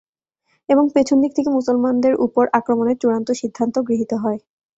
এবং পেছন দিক থেকে মুসলমানদের উপর আক্রমণের চূড়ান্ত সিদ্ধান্ত গৃহীত হয়।